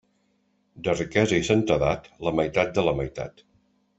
De riquesa i santedat, la meitat de la meitat.